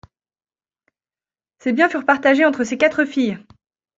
Ses biens furent partagés entre ses quatre filles.